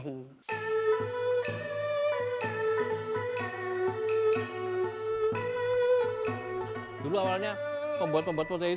khususnya di kabupaten jombang melalui pelestarian dan pengembangan seni dan budaya di indonesia